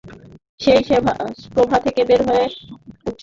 সেই প্রভা থেকে বের করা সম্ভব পৃষ্ঠ উজ্জ্বলতা।